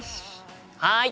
はい！